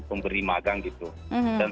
pemberi magang gitu dan